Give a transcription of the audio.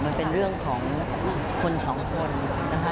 มันเป็นเรื่องของคนสองคนนะคะ